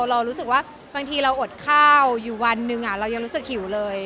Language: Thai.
เรารู้สึกว่าบางทีเราอดข้าวอยู่วันหนึ่งเรายังรู้สึกหิวเลย